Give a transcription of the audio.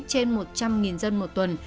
trên một trăm linh dân một tuần